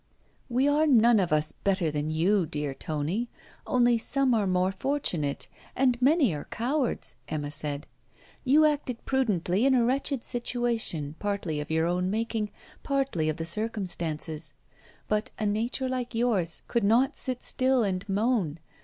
'We are none of us better than you, dear Tony; only some are more fortunate, and many are cowards,' Emma said. 'You acted prudently in a wretched situation, partly of your own making, partly of the circumstances. But a nature like yours could not sit still and moan.